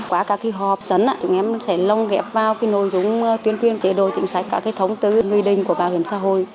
qua các hợp dân chúng em sẽ lông ghẹp vào nội dung tuyên khuyên chế đội chính sách các thống tư nguy định của bảo hiểm xã hội